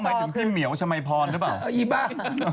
หมายถึงพี่เหมียวชมัยพรหรือเปล่าอีบ้า